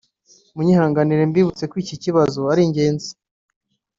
munyihangire mbibutse ko iki kibazo ari ingenzi